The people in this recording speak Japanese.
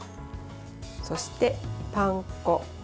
そして、パン粉。